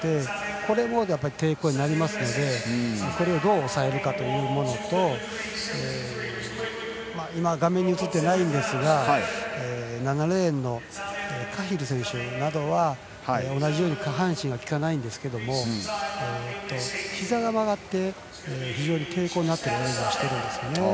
これも抵抗になりますのでこれをどう抑えるかというものと今、画面に映っていませんが７レーンのカヒル選手などは同じように下半身がきかないんですがひざが曲がって抵抗ない泳ぎをしています。